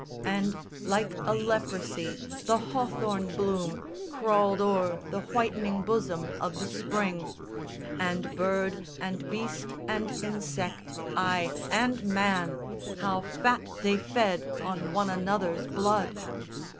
And like a leprosy the hawthorn bloom Crawled o'er the whitening bosom of the spring; And bird and beast and insect, ay and man, How fat they fed on one another's blood!